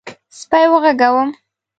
_سپی وغږوم؟